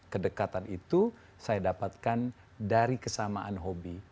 kedekatan itu saya dapatkan dari kesamaan hobi